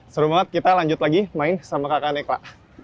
seru banget kita lanjut lagi main sama kakak nekla